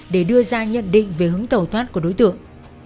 để đưa ra nhận định về hướng tàu thoát của đối tượng